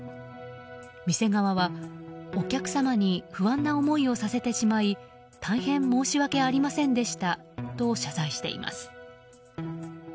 店側はお客様に不安な思いをさせてしまい大変申し訳ありませんでしたと謝罪しています。